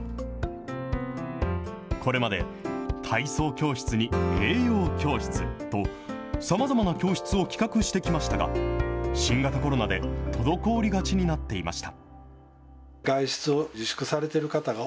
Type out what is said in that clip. これまで、体操教室に栄養教室と、さまざまな教室を企画してきましたが、新型コロナで滞りがちになっていました。